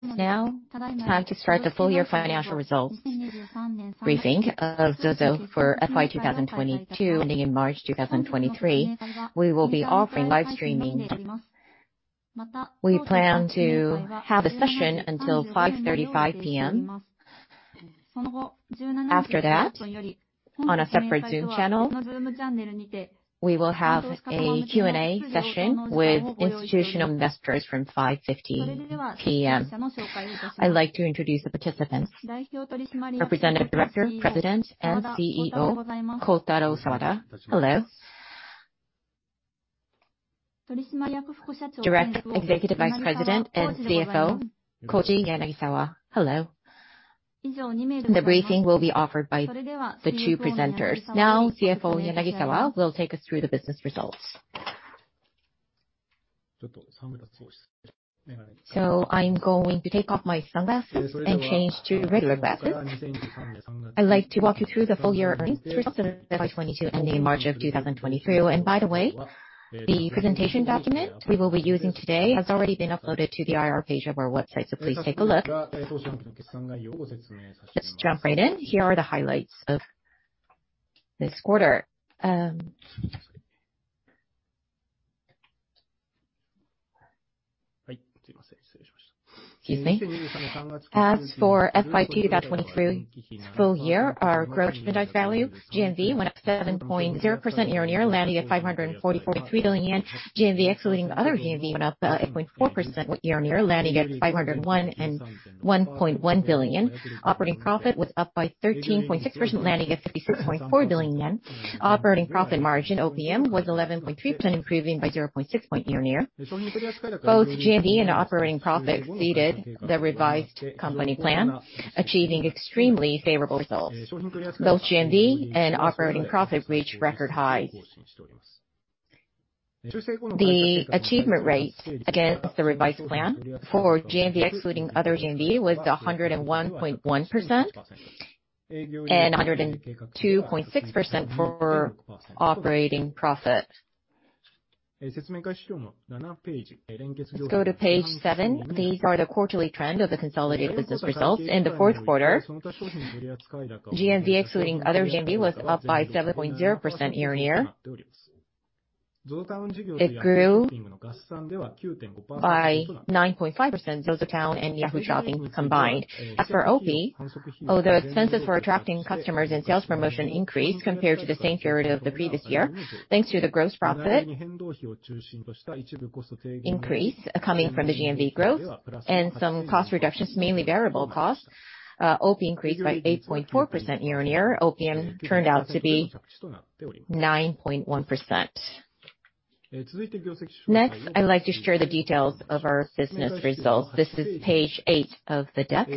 [Translator]Time to start the full year financial results briefing of ZOZO for FY '22, ending in March 2023. We will be offering live streaming. We plan to have a session until 5:35 P.M. After that, on a separate Zoom channel, we will have a Q&A session with institutional investors from 5:50 P.M. I'd like to introduce the participants. Representative Director, President, and CEO, Kotaro Sawada. Hello. Director, Executive Vice President & CFO, Koji Yanagisawa. Hello. The briefing will be offered by the two presenters. CFO Yanagisawa will take us through the business results. [Translator]I'm going to take off my sunglasses and change to regular glasses. I'd like to walk you through the full year earnings results for FY '22 ending March of 2023. [Translator] By the way, the presentation document we will be using today has already been uploaded to the IR page of our website. Please take a look. Let's jump right in. Here are the highlights of this quarter. Excuse me. As for FY '23 full year, our gross merchandise value, GMV, went up 7.0% year-on-year, landing at 544.3 billion yen. GMV, excluding other GMV, went up 8.4% year-on-year, landing at 501.1 billion yen. Operating profit was up by 13.6%, landing at 56.4 billion yen. Operating profit margin, OPM, was 11.3%, improving by 0.6 point year-on-year. Both GMV and operating profit exceeded the revised company plan, achieving extremely favorable results. Both GMV and operating profit reached record highs. The achievement rate against the revised plan for GMV, excluding other GMV, was 101.1%, and 102.6% for operating profit. Let's go to page 7. These are the quarterly trend of the consolidated business results in the fourth quarter. GMV, excluding other GMV, was up by 7.0% year-on-year. It grew by 9.5%, ZOZOTOWN and Yahoo! Shopping combined. As for OP, although expenses for attracting customers and sales promotion increased compared to the same period of the previous year, thanks to the gross profit increase coming from the GMV growth and some cost reductions, mainly variable costs, OP increased by 8.4% year-on-year. OPM turned out to be 9.1%. Next, I would like to share the details of our business results. This is page 8 of the deck.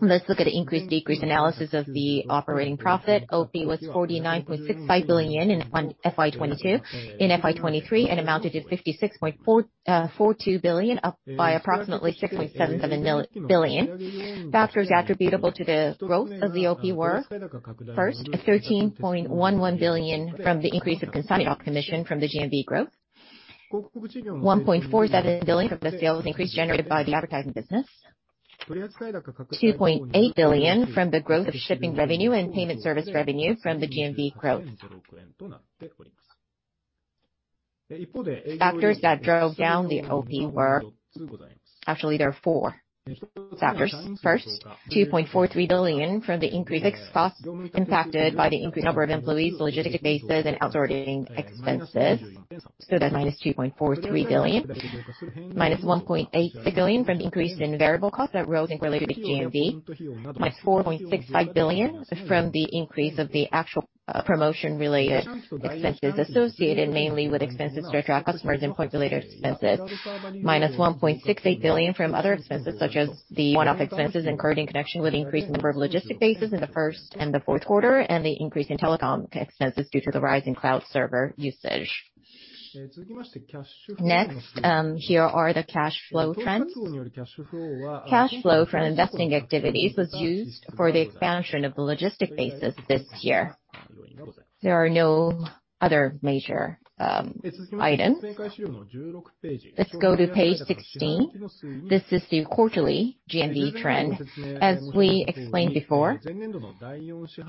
Let's look at the increase/decrease analysis of the operating profit. OP was 49.65 billion yen in FY '22. In FY '23, it amounted to 56.42 billion, up by approximately 6.77 billion. Factors attributable to the growth of the OP were, first, a 13.11 billion from the increase of consignment commission from the GMV growth. 1.47 billion from the sales increase generated by the advertising business. 2.8 billion from the growth of shipping revenue and payment service revenue from the GMV growth. Factors that drove down the OP were. Actually, there are four factors. First, 2.43 billion from the increase in costs impacted by the increased number of employees, logistic bases, and outsourcing expenses, so that's -2.43 billion. Minus 1.8 billion from the increase in variable costs that rose in related GMV. Minus 4.65 billion from the increase of the actual promotion related expenses associated mainly with expenses to attract customers and point related expenses. Minus 1.68 billion from other expenses such as the one-off expenses incurred in connection with the increased number of logistic bases in the first and the fourth quarter, and the increase in telecom expenses due to the rise in cloud server usage. Here are the cash flow trends. Cash flow from investing activities was used for the expansion of the logistic bases this year. There are no other major items. Let's go to page 16. This is the quarterly GMV trend. As we explained before,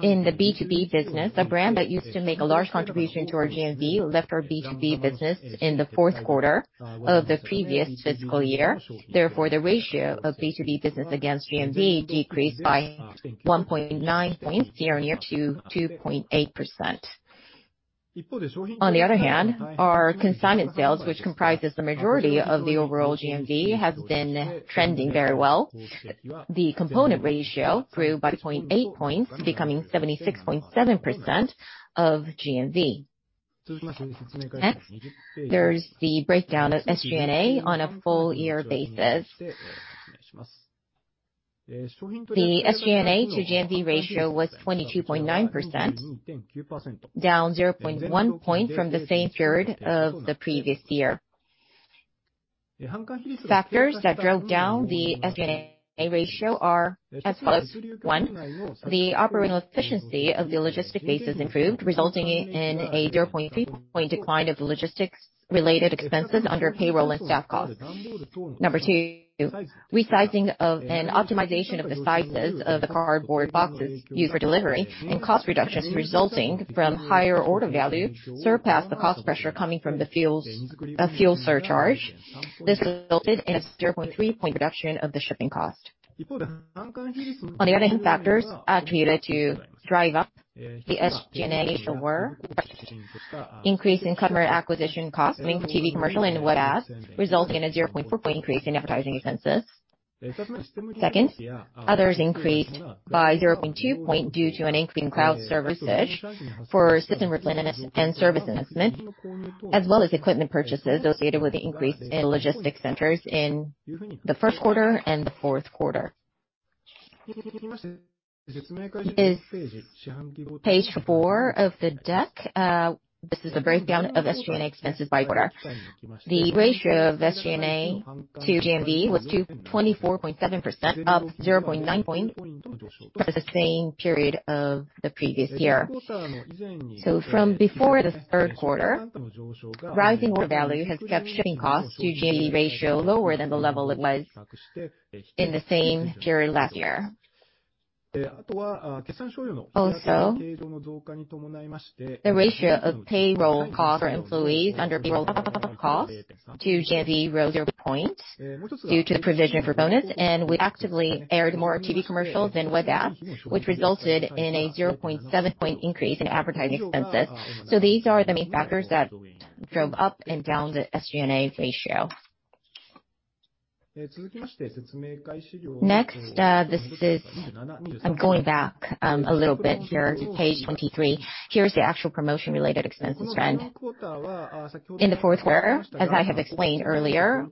in the B2B business, a brand that used to make a large contribution to our GMV left our B2B business in the fourth quarter of the previous fiscal year. Therefore, the ratio of B2B business against GMV decreased by 1.9 points year-on-year to 2.8%. On the other hand, our consignment sales, which comprises the majority of the overall GMV, has been trending very well. The component ratio grew by 0.8 points, becoming 76.7% of GMV. Next, there is the breakdown of SG&A on a full year basis. The SG&A to GMV ratio was 22.9%, down 0.1 point from the same period of the previous year. Factors that drove down the SG&A ratio are as follows. One, the operating efficiency of the logistic base is improved, resulting in a 0.3-point decline of logistics related expenses under payroll and staff costs. Number two, resizing of an optimization of the sizes of the cardboard boxes used for delivery and cost reductions resulting from higher order value surpassed the cost pressure coming from a fuel surcharge. This resulted in a 0.3-point reduction of the shipping cost. On the other hand, factors attributed to drive up the SG&A were: increase in customer acquisition costs, meaning for TV commercial and web ads, resulting in a 0.4-point increase in advertising expenses. Second, others increased by 0.2 point due to an increase in cloud services for system replenishment and service enhancement, as well as equipment purchases associated with the increase in logistics centers in the first quarter and the fourth quarter. This is page 4 of the deck. This is a breakdown of SG&A expenses by quarter. The ratio of SG&A to GMV was to 24.7%, up 0.9 point for the same period of the previous year. From before the third quarter, rising order value has kept shipping costs to GMV ratio lower than the level it was in the same period last year. Also, the ratio of payroll costs for employees under payroll costs to GMV rose 0 points due to the provision for bonus, and we actively aired more TV commercials and web ads, which resulted in a 0.7-point increase in advertising expenses. These are the main factors that drove up and down the SG&A ratio. Next, I'm going back a little bit here to page 23. Here's the actual promotion-related expenses trend. In the fourth quarter, as I have explained earlier,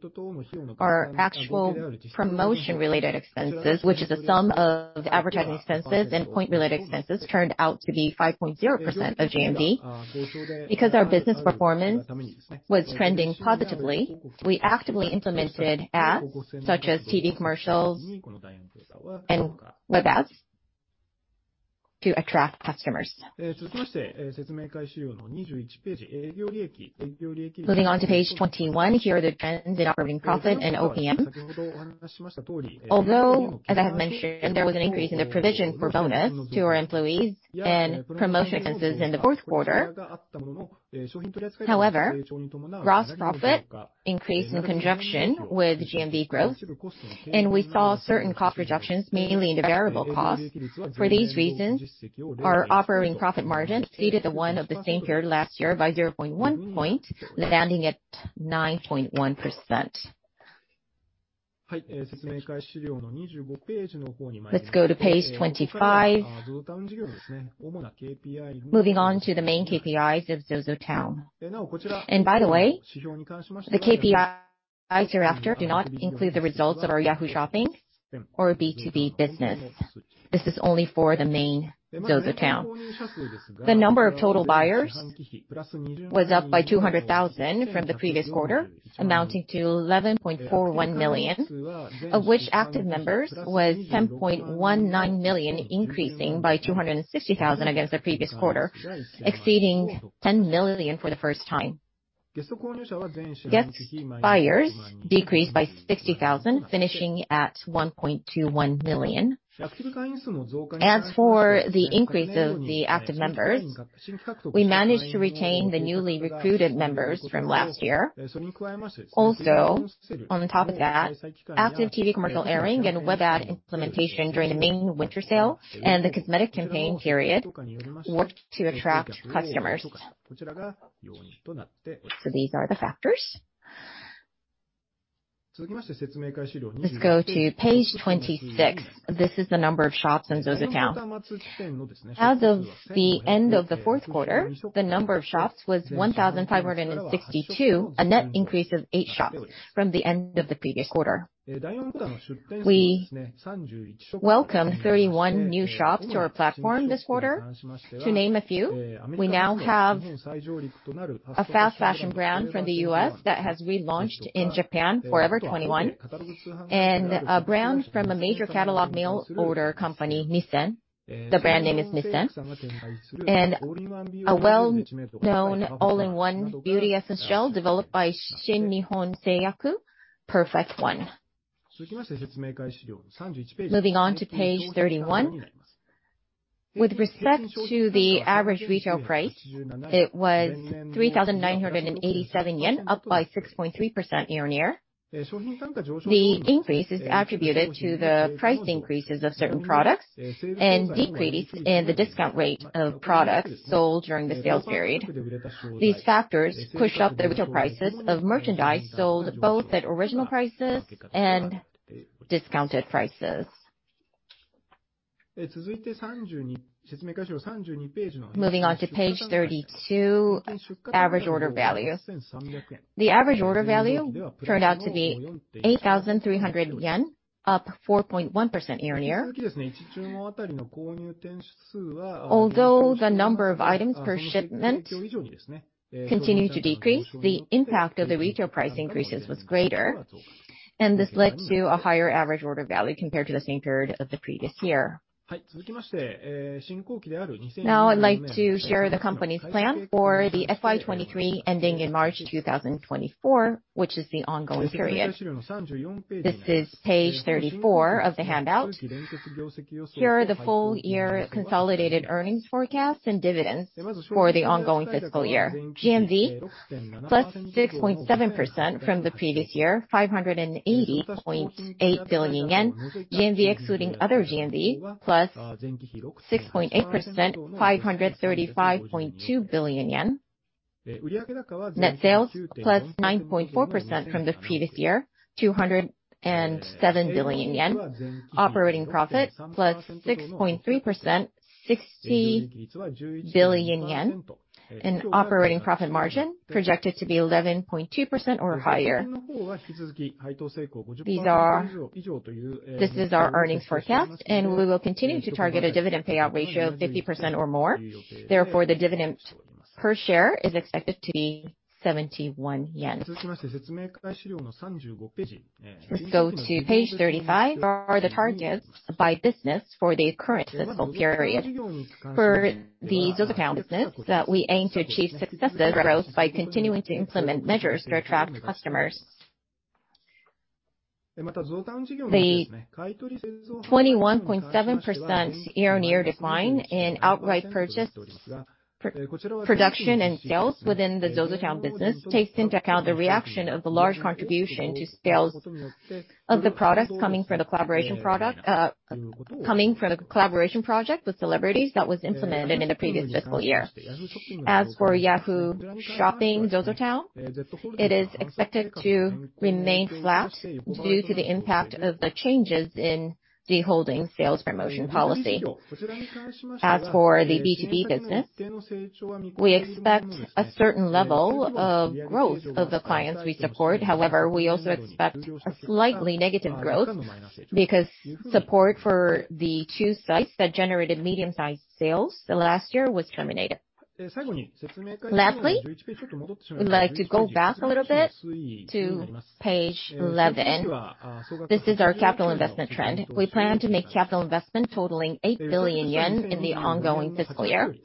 our actual promotion-related expenses, which is a sum of advertising expenses and point-related expenses, turned out to be 5.0% of GMV. Our business performance was trending positively, we actively implemented ads such as TV commercials and web ads to attract customers. Moving on to page 21. Here are the trends in operating profit and OPM. As I have mentioned, there was an increase in the provision for bonus to our employees and promotion expenses in the fourth quarter. Gross profit increased in conjunction with GMV growth, and we saw certain cost reductions, mainly in the variable costs. For these reasons, our operating profit margin exceeded the one of the same period last year by 0.1 point, landing at 9.1%. Let's go to page 25. Moving on to the main KPIs of ZOZOTOWN. By the way, the KPIs hereafter do not include the results of our Yahoo! Shopping or B2B business. This is only for the main ZOZOTOWN. The number of total buyers was up by 200,000 from the previous quarter, amounting to 11.41 million, of which active members was 10.19 million, increasing by 260,000 against the previous quarter, exceeding 10 million for the first time. Guest buyers decreased by 60,000, finishing at 1.21 million. As for the increase of the active members, we managed to retain the newly recruited members from last year. Active TV commercial airing and web ad implementation during the main winter sale and the cosmetic campaign period worked to attract customers. These are the factors. Let's go to page 26. This is the number of shops in ZOZOTOWN. As of the end of the fourth quarter, the number of shops was 1,562, a net increase of 8 shops from the end of the previous quarter. We welcomed 31 new shops to our platform this quarter. To name a few, we now have a fast fashion brand from the U.S. that has relaunched in Japan, Forever 21, and a brand from a major catalog mail order company, Nissen. The brand name is Nissen. A well-known all-in-one beauty essential developed by Shin Nihon Seiyaku, PERFECT ONE. Moving on to page 31. With respect to the average retail price, it was 3,987 yen, up by 6.3% year-on-year. The increase is attributed to the price increases of certain products and decreases in the discount rate of products sold during the sales period. These factors push up the retail prices of merchandise sold both at original prices and discounted prices. Moving on to page 32, average order value. The average order value turned out to be 8,300 yen, up 4.1% year-on-year. Although the number of items per shipment continued to decrease, the impact of the retail price increases was greater. This led to a higher average order value compared to the same period of the previous year. Now I'd like to share the company's plan for the FY '23 ending in March 2024, which is the ongoing period. This is page 34 of the handout. Here are the full year consolidated earnings forecasts and dividends for the ongoing fiscal year. GMV +6.7% from the previous year, 580.8 billion yen. GMV excluding other GMV, +6.8%, 535.2 billion yen. Net sales, +9.4% from the previous year, 207 billion yen. Operating profit, +6.3%, 60 billion yen. Operating profit margin projected to be 11.2% or higher. This is our earnings forecast, and we will continue to target a dividend payout ratio of 50% or more. Therefore, the dividend per share is expected to be 71 yen. Let's go to page 35. These are the targets by business for the current fiscal period. For the ZOZOTOWN business, we aim to achieve successive growth by continuing to implement measures to attract customers. The 21.7% year-on-year decline in outright purchase, production, and sales within the ZOZOTOWN business takes into account the reaction of the large contribution to sales of the products coming from the collaboration product, coming from the collaboration project with celebrities that was implemented in the previous fiscal year. As for Yahoo Shopping ZOZOTOWN, it is expected to remain flat due to the impact of the changes in the holding sales promotion policy. As for the B2B business, we expect a certain level of growth of the clients we support. We also expect a slightly negative growth because support for the two sites that generated medium-sized sales last year was terminated. We'd like to go back a little bit to page 11. This is our capital investment trend. We plan to make capital investment totaling 8 billion yen in the ongoing fiscal year.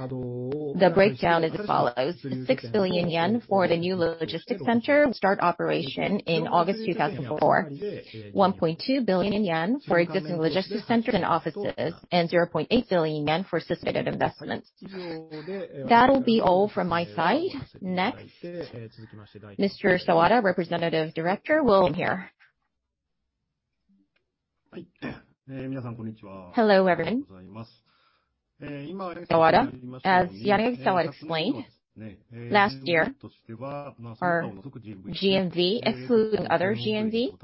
The breakdown is as follows: 6 billion yen for the new logistics center will start operation in August 2004. 1.2 billion yen for existing logistics centers and offices, and 0.8 billion yen for sustained investments. That'll be all from my side. Next, Mr. Sawada, Representative Director, will appear. Hello, everyone. Sawada. As Yanagisawa explained, last year, our GMV, excluding other GMV,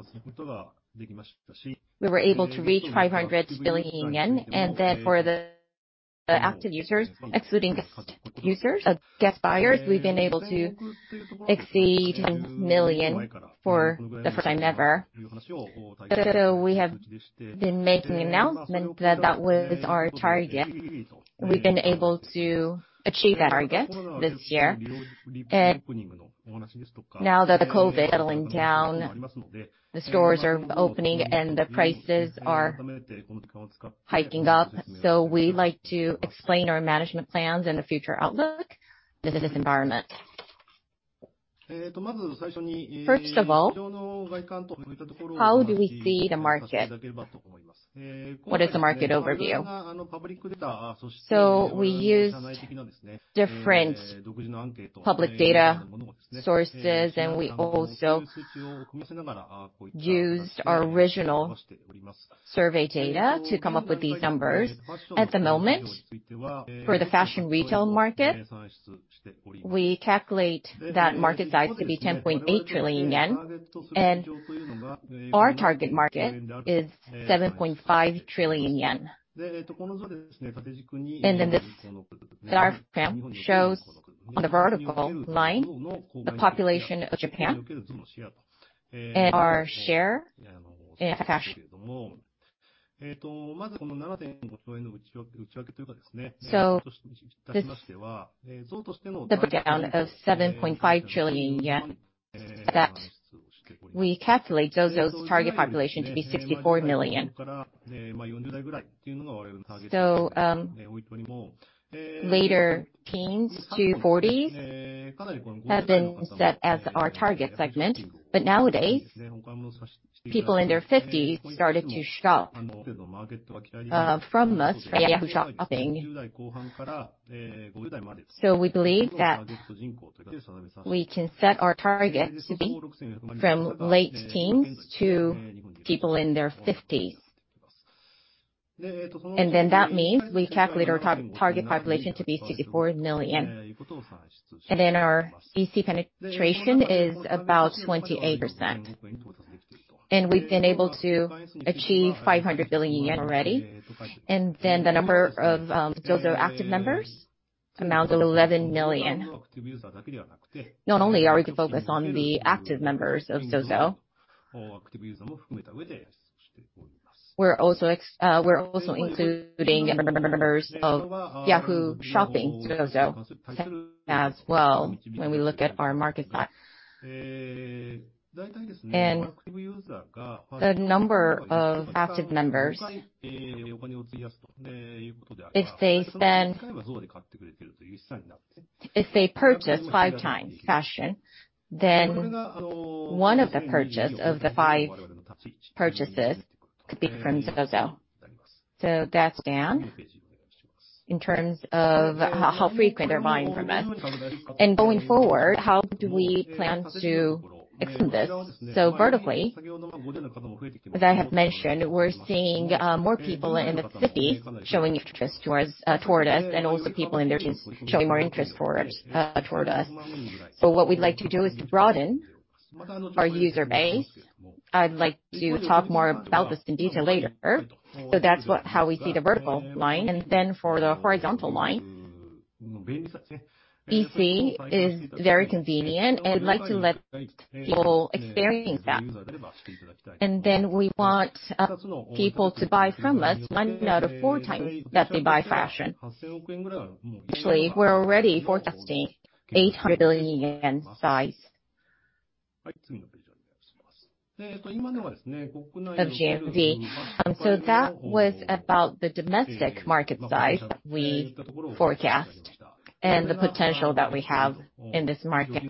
we were able to reach 500 billion yen. For the active users, excluding guest users, guest buyers, we've been able to exceed 10 million for the first time ever. We have been making the announcement that that was our target. We've been able to achieve that target this year. Now that the COVID is settling down, the stores are opening and the prices are hiking up. We'd like to explain our management plans and the future outlook in this business environment. First of all, how do we see the market? What is the market overview? We used different public data sources, and we also used our original survey data to come up with these numbers. At the moment, for the fashion retail market, we calculate that market size to be 10.8 trillion yen. Our target market is 7.5 trillion yen. This graph shows on the vertical line the population of Japan and our share in fashion. This is the breakdown of 7.5 trillion yen that we calculate ZOZO's target population to be 64 million. Later teens to 40s has been set as our target segment, but nowadays, people in their 50s started to shop from us, from Yahoo Shopping. We believe that we can set our target to be from late teens to people in their fifties. That means we calculate our target population to be 64 million. Our BC penetration is about 28%. We've been able to achieve 500 billion yen already. The number of ZOZO active members amounts to 11 million. Not only are we focused on the active members of ZOZO, we're also including members of Yahoo! Shopping ZOZOTOWN as well when we look at our market size. The number of active members, if they purchase 5 times fashion, then one of the purchase of the 5 purchases could be from ZOZO. That's done in terms of how frequent they're buying from us. Going forward, how do we plan to expand this? Vertically, as I have mentioned, we're seeing more people in the city showing interest toward us, and also people in their teens showing more interest toward us. What we'd like to do is to broaden our user base. I'd like to talk more about this in detail later. That's how we see the vertical line. For the horizontal line, BC is very convenient, and I'd like to let people experience that. We want people to buy from us one out of four times that they buy fashion. Actually, we're already forecasting 800 billion yen size of GMV. That was about the domestic market size that we forecast and the potential that we have in this market.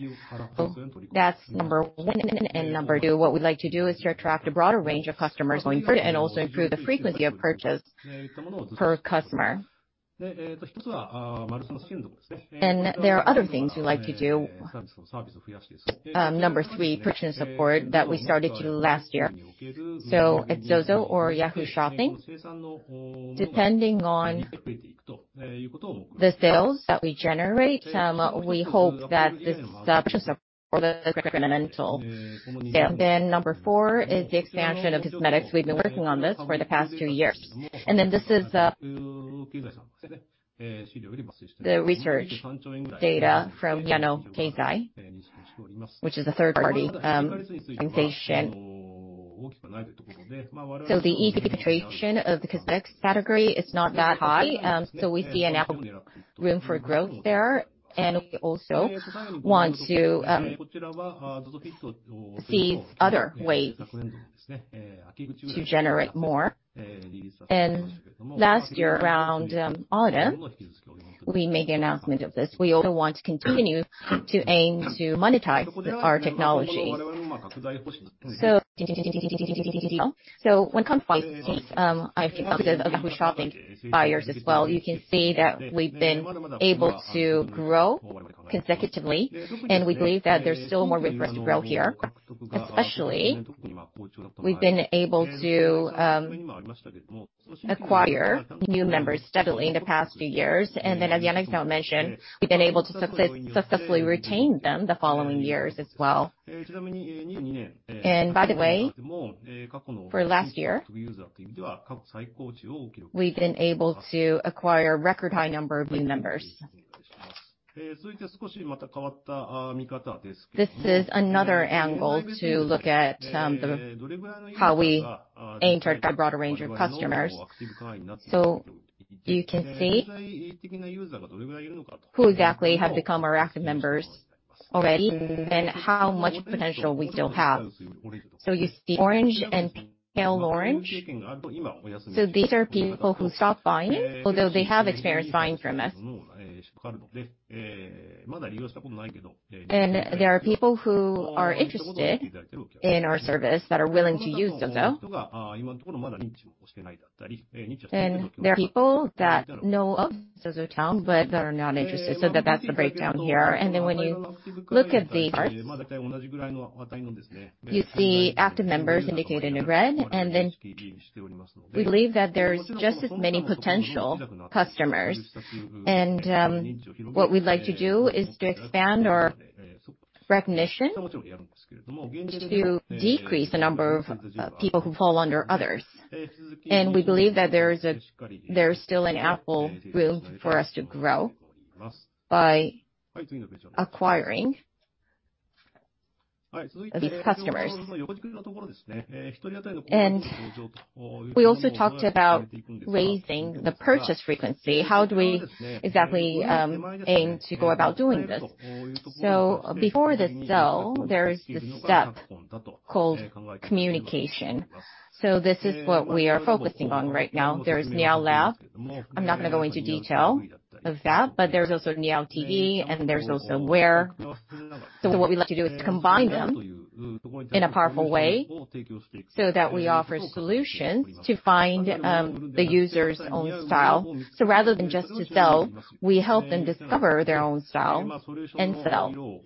That's number one and number two. What we'd like to do is to attract a broader range of customers going forward and also improve the frequency of purchase per customer. There are other things we'd like to do. Number 3, purchase support that we started last year. At ZOZO or Yahoo! Shopping, depending on the sales that we generate, we hope that this purchase support is incremental sales. Number 4 is the expansion of cosmetics. We've been working on this for the past 2 years. This is the research data from Yano Keizai, which is a third party organization. The e-penetration of the cosmetics category is not that high, so we see an ample room for growth there. We also want to seize other ways to generate more. Last year, around autumn, we made the announcement of this. We also want to continue to aim to monetize our technology. When it comes to Yahoo! Shopping buyers as well, you can see that we've been able to grow consecutively, and we believe that there's still more room for us to grow here. Especially, we've been able to acquire new members steadily in the past few years. As Yano Keizai mentioned, we've been able to successfully retain them the following years as well. By the way, for last year, we've been able to acquire record high number of new members. This is another angle to look at how we aim to attract a broader range of customers. You can see who exactly have become our active members already and how much potential we still have. You see orange and pale orange. These are people who stopped buying, although they have experience buying from us. There are people who are interested in our service that are willing to use ZOZO. There are people that know of ZOZOTOWN, but that are not interested. That's the breakdown here. When you look at the chart, you see active members indicated in red. We believe that there's just as many potential customers. What we'd like to do is to expand our recognition to decrease the number of people who fall under others. We believe that there's still an ample room for us to grow by acquiring these customers. We also talked about raising the purchase frequency. How do we exactly aim to go about doing this? Before the sell, there is this step called communication. This is what we are focusing on right now. There is now Lab. I'm not gonna go into detail of that, but there's also now TV, and there's also WEAR. What we'd like to do is combine them in a powerful way so that we offer solutions to find the user's own style. Rather than just to sell, we help them discover their own style and sell.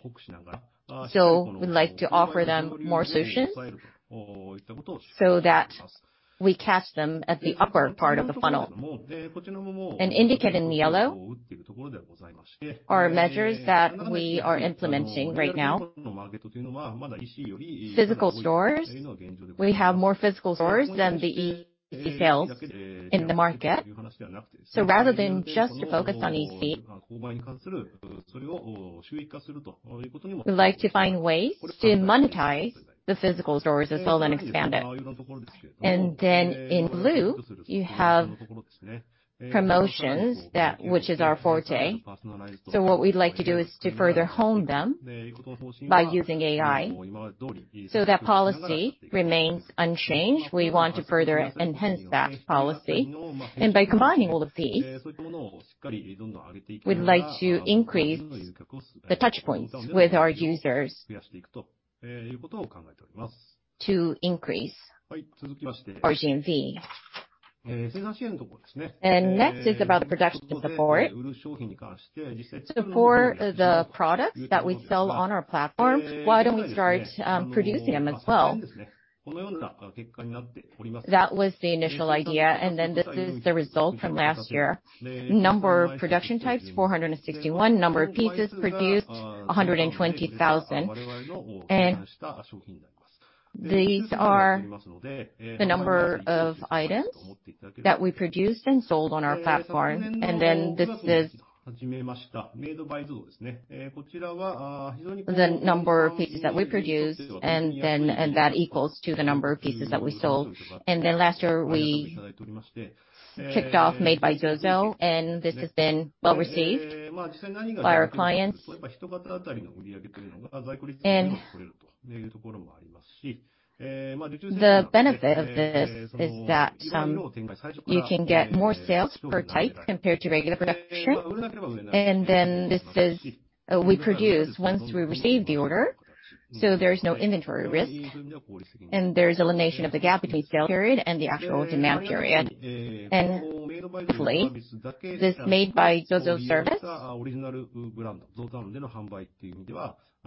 We'd like to offer them more solutions so that we catch them at the upper part of the funnel. Indicated in yellow are measures that we are implementing right now. Physical stores. We have more physical stores than the EC sales in the market. Rather than just to focus on EC, we'd like to find ways to monetize the physical stores as well and expand it. In blue you have Promotions that, which is our forte. What we'd like to do is to further hone them by using AI. That policy remains unchanged. We want to further enhance that policy. By combining all of these, we'd like to increase the touchpoints with our users to increase our GMV. Next is about the production support. To support the products that we sell on our platform, why don't we start producing them as well? That was the initial idea, this is the result from last year. Number of production types, 461. Number of pieces produced, 120,000. These are the number of items that we produced and sold on our platform. This is the number of pieces that we produced, and that equals to the number of pieces that we sold. Last year, we kicked off Made by ZOZO, and this has been well-received by our clients. The benefit of this is that you can get more sales per type compared to regular production. We produce once we receive the order, so there's no inventory risk. There's elimination of the gap between sales period and the actual demand period. Hopefully, this Made by ZOZO service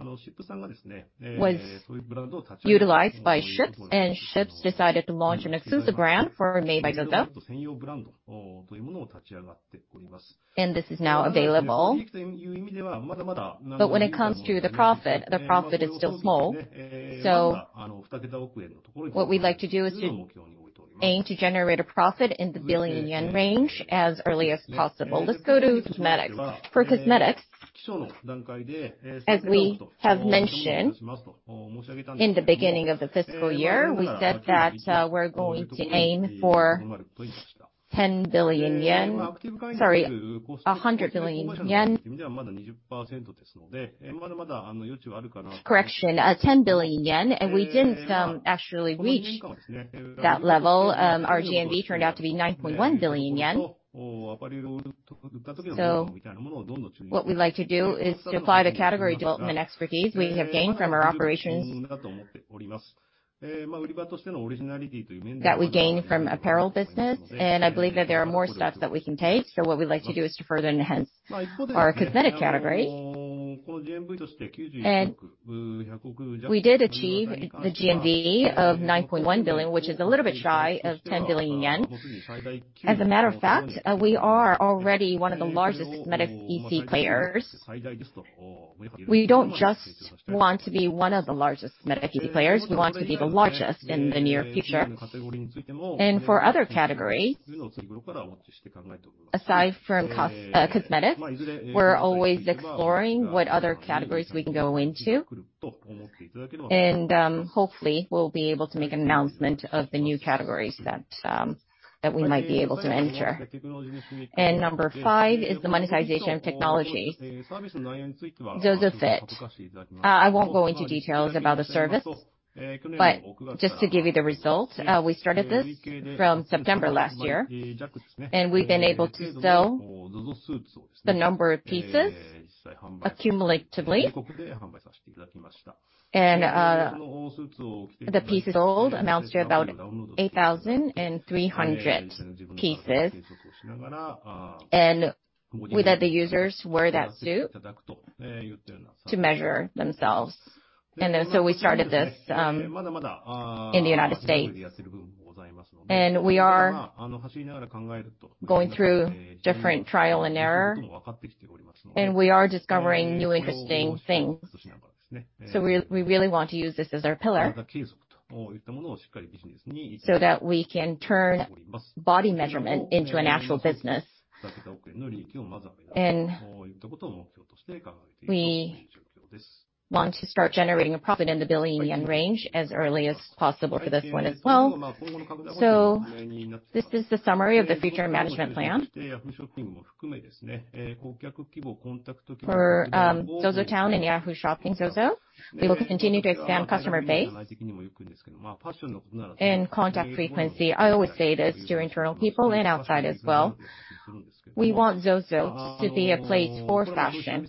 was utilized by SHIPS, and SHIPS decided to launch an exclusive brand for Made by ZOZO. This is now available. When it comes to the profit, the profit is still small. What we'd like to do is to aim to generate a profit in the billion JPY range as early as possible. Let's go to cosmetics. For cosmetics, as we have mentioned in the beginning of the fiscal year, we said that we're going to aim for 10 billion yen. Sorry, 100 billion yen. Correction, 10 billion yen. We didn't actually reach that level. Our GMV turned out to be 9.1 billion yen. What we'd like to do is to apply the category development expertise we have gained from our operations that we gained from apparel business. I believe that there are more steps that we can take. What we'd like to do is to further enhance our cosmetic category. We did achieve the GMV of 9.1 billion, which is a little bit shy of 10 billion yen. As a matter of fact, we are already one of the largest cosmetic EC players. We don't just want to be one of the largest cosmetic EC players, we want to be the largest in the near future. For other categories, aside from cosmetics, we're always exploring what other categories we can go into. Hopefully we'll be able to make an announcement of the new categories that we might be able to enter. Number 5 is the monetization of technology. ZOZOFIT. I won't go into details about the service, but just to give you the results, we started this from September last year, and we've been able to sell the number of pieces accumulatively. The pieces sold amounts to about 8,300 pieces. We let the users wear that suit to measure themselves. We started this in the United States. We are going through different trial and error, and we are discovering new interesting things. We really want to use this as our pillar so that we can turn body measurement into an actual business. We want to start generating a profit in the billion yen range as early as possible for this one as well. This is the summary of the future management plan. ZOZOTOWN and Yahoo! Shopping ZOZOTOWN, we will continue to expand customer base and contact frequency. I always say this to internal people and outside as well. We want ZOZO to be a place for fashion.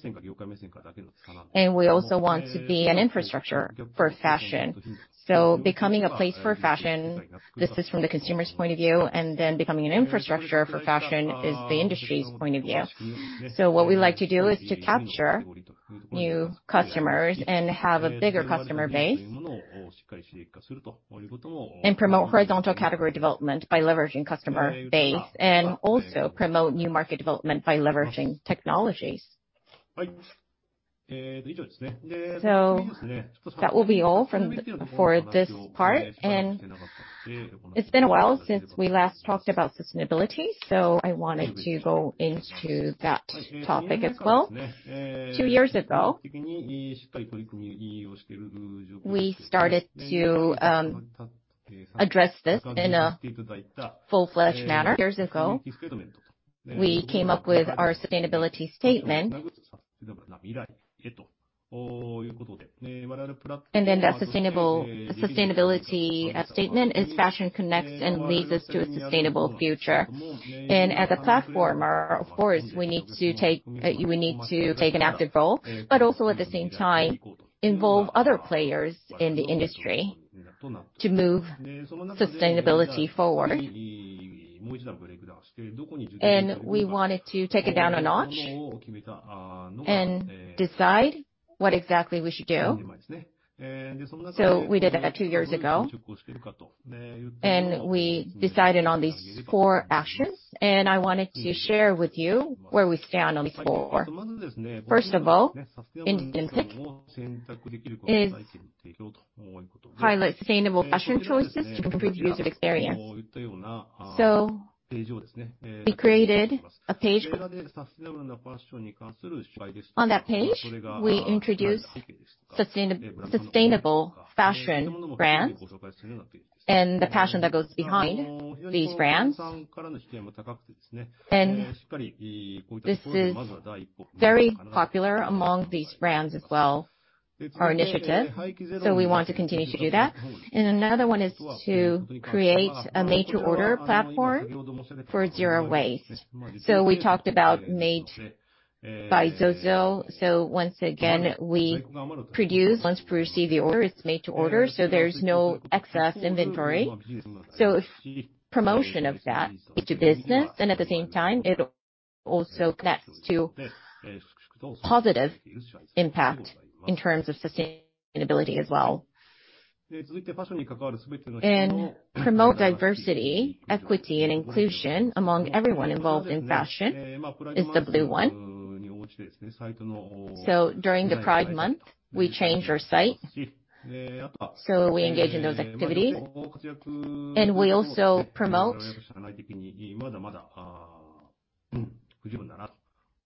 We also want to be an infrastructure for fashion. Becoming a place for fashion, this is from the consumer's point of view, and then becoming an infrastructure for fashion is the industry's point of view. What we'd like to do is to capture new customers and have a bigger customer base, and promote horizontal category development by leveraging customer base, and also promote new market development by leveraging technologies. That will be all for this part. It's been a while since we last talked about sustainability, so I wanted to go into that topic as well. Two years ago, we started to address this in a full-fledged manner. Two years ago, we came up with our sustainability statement. That sustainability statement is fashion connects and leads us to a sustainable future. As a platform, of course, we need to take an active role, but also at the same time involve other players in the industry to move sustainability forward. We wanted to take it down a notch and decide what exactly we should do. We did that two years ago, and we decided on these four actions, and I wanted to share with you where we stand on these four. First of all, in Zalando, is highlight sustainable fashion choices to improve user experience. We created a page. On that page, we introduced sustainable fashion brands and the passion that goes behind these brands. This is very popular among these brands as well, our initiative, so we want to continue to do that. Another one is to create a made to order platform for zero waste. We talked about Made by ZOZO. Once again, we produce. Once we receive the order, it's made to order, so there's no excess inventory. Promotion of that into business and at the same time, it also connects to positive impact in terms of sustainability as well. Promote diversity, equity and inclusion among everyone involved in fashion is the blue one. During the Pride Month, we change our site. We engage in those activities, and we also promote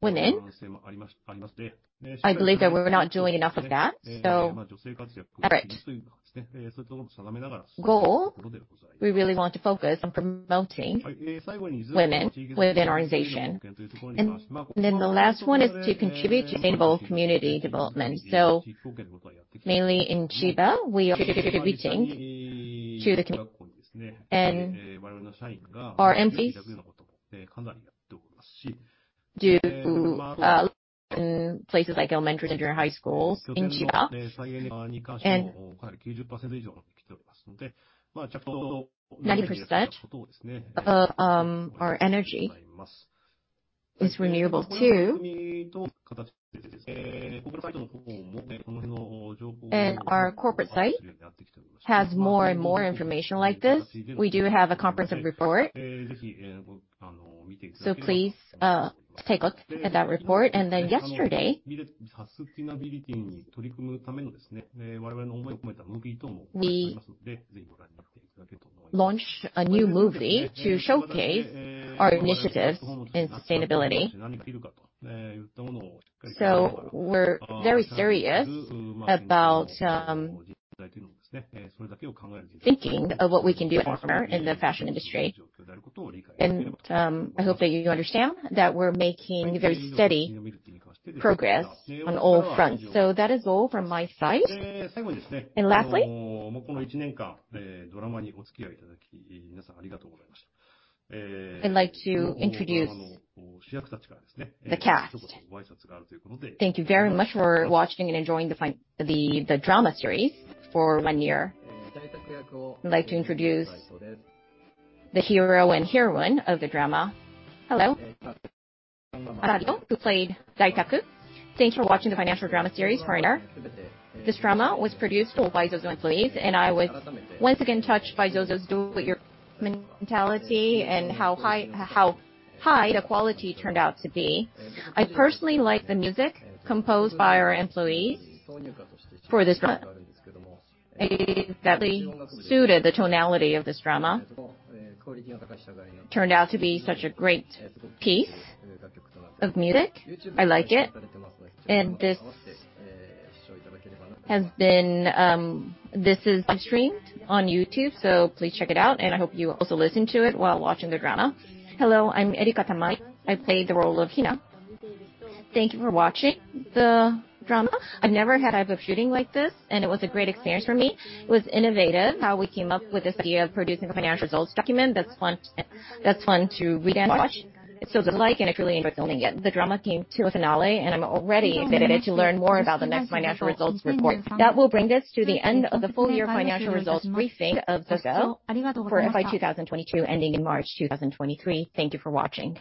women. I believe that we're not doing enough of that, so that's our goal. We really want to focus on promoting women within our organization. The last one is to contribute to sustainable community development. Mainly in Chiba, we are contributing to the community. Our employees do places like elementary and junior high schools in Chiba. 90% of our energy is renewable too. Our corporate site has more and more information like this. We do have a comprehensive report. Please take a look at that report. Yesterday, we launched a new movie to showcase our initiatives in sustainability. We're very serious about thinking of what we can do as partner in the fashion industry. I hope that you understand that we're making very steady progress on all fronts. That is all from my side. Lastly, I'd like to introduce the cast. Thank you very much for watching and enjoying the drama series for one year. I'd like to introduce the hero and heroine of the drama. Hello. I'm Arryo, who played Daisuke. Thanks for watching the financial drama series partner. This drama was produced by ZOZO employees, and I was once again touched by ZOZO's do, your mentality and how high the quality turned out to be. I personally like the music composed by our employees for this drama. It definitely suited the tonality of this drama. Turned out to be such a great piece of music. I like it. This is live-streamed on YouTube, so please check it out. I hope you also listen to it while watching the drama. Hello, I'm Erika Karata. I played the role of Hina. Thank you for watching the drama. I've never had a type of shooting like this, and it was a great experience for me. It was innovative how we came up with this idea of producing a financial results document that's fun to read and watch. It feels like, and I truly enjoyed filming it. The drama came to a finale, and I'm already excited to learn more about the next financial results report. That will bring us to the end of the full year financial results briefing of ZOZO for FY '22 ending in March 2023. Thank you for watching.